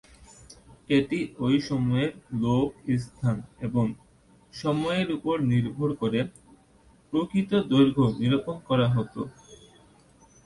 এটি ঐ সময়ের লোক, স্থান এবং সময়ের উপর নির্ভর করে প্রকৃত দৈর্ঘ্য নিরূপণ করা হতো।